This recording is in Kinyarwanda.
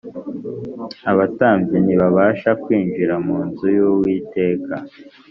abatambyi ntibabasha kwinjira mu nzu y’uwiteka,